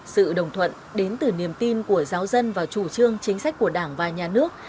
sự đồng thuận đến từ niềm tin của giáo dân và chủ trương chính sách của đảng và nhà nước